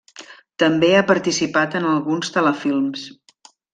També ha participat en alguns telefilms.